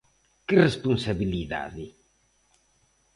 ¿Que responsabilidade?